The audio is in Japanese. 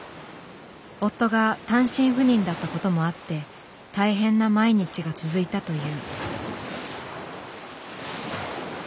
夫が単身赴任だったこともあって大変な毎日が続いたという。